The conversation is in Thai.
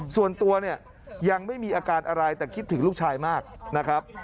ส่วนตัวเนี่ยยังไม่มีอาการอะไรแต่คิดถึงลูกชายมากนะครับ